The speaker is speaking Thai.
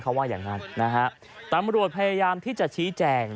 เขาว่าอย่างนั้นนะฮะตำรวจพยายามที่จะชี้แจง